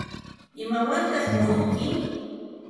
¿Imawantaq murunki?